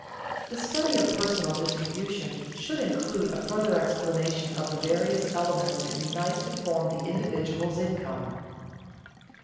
_The study of personal distribution should include a further explanation of the various elements that unite to form the individual's income.